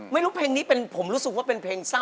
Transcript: ไม่รู้เพลงนี้เป็นผมรู้สึกว่าเป็นเพลงเศร้า